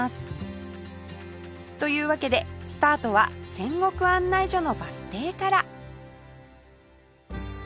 というわけでスタートは仙石案内所のバス停から